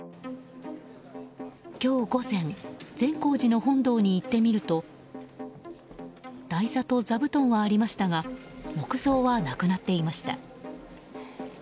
今日午前、善光寺の本堂に行ってみると台座と座布団はありましたが木像はなくなっていました。